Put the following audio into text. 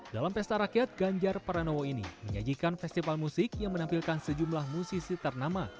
dalam pesta rakyat ganjar pranowo ini menyajikan festival musik yang menampilkan sejumlah musisi ternama